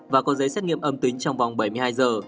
và có giấy xét nghiệm âm tính trong vòng bảy mươi hai giờ